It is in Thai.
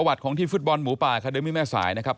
ของทีมฟุตบอลหมูป่าคาเดมี่แม่สายนะครับ